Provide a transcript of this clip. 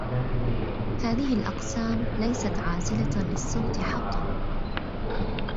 هذه الأقسام ليست عازلة للصوت حقًا